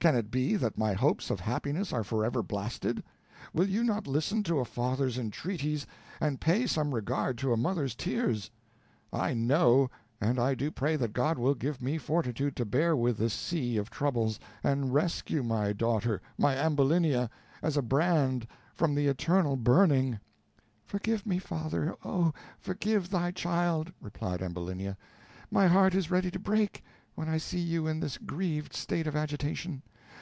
can it be that my hopes of happiness are forever blasted! Will you not listen to a father's entreaties, and pay some regard to a mother's tears. I know, and I do pray that God will give me fortitude to bear with this sea of troubles, and rescue my daughter, my Ambulinia, as a brand from the eternal burning." "Forgive me, father, oh! forgive thy child," replied Ambulinia. "My heart is ready to break, when I see you in this grieved state of agitation.